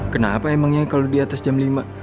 kenapa emangnya kalau di atas jam lima